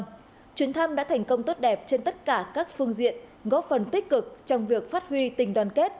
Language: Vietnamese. trong chuyến thăm đã thành công tốt đẹp trên tất cả các phương diện góp phần tích cực trong việc phát huy tình đoàn kết